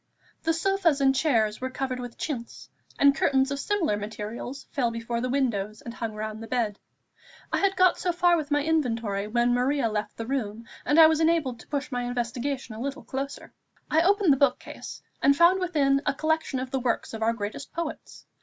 The sofas and chairs were covered with chintz, and curtains of similar material fell before the windows, and hung round the bed. I had got so far with my inventory when Maria left the room, and I was enabled to push my investigation a little closer. I opened the book case, and found within a collection of the works of our greatest poets.